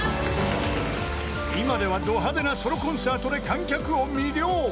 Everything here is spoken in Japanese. ［今ではド派手なソロコンサートで観客を魅了］